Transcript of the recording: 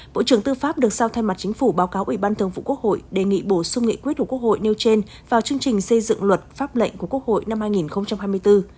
bộ trưởng tư pháp được sao thay mặt chính phủ báo cáo ủy ban thường vụ quốc hội đề nghị bổ sung nghị quyết của quốc hội nêu trên vào chương trình xây dựng luật pháp lệnh của quốc hội năm hai nghìn hai mươi bốn